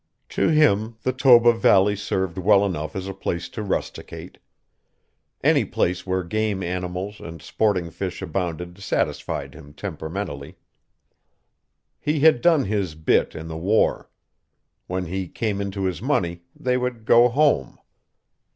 To him the Toba valley served well enough as a place to rusticate. Any place where game animals and sporting fish abounded satisfied him temperamentally. He had done his "bit" in the war. When he came into his money, they would go "home."